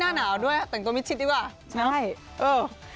หน้าหนาวด้วยแต่งตัวมิดชิดดีกว่าใช่เออ